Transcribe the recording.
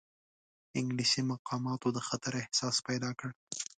انګلیسي مقاماتو د خطر احساس پیدا کړ.